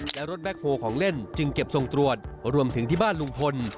และรถแบ็คโฮของเล่นจึงเก็บส่งตรวจรวมถึงที่บ้านลุงพล